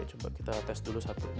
oke coba kita tes dulu satunya